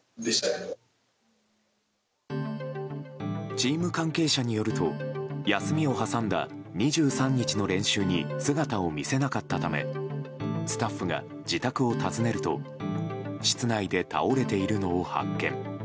チーム関係者によると休みを挟んだ２３日の練習に姿を見せなかったためスタッフが自宅を訪ねると室内で倒れているのを発見。